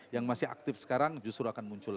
yang masih aktif sekarang justru akan muncul